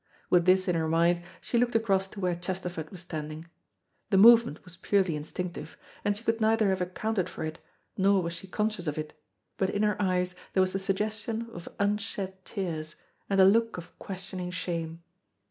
With this in her mind, she looked across to where Chesterford was standing. The movement was purely instinctive, and she could neither have accounted for it, nor was she conscious of it, but in her eyes there was the suggestion of unshed tears, and a look of questioning shame.